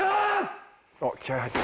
おっ気合入った。